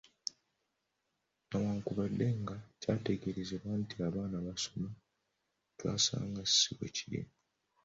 "Newankubadde nga kyateeberezebwa nti abaana basoma, twasanga si bwekiri."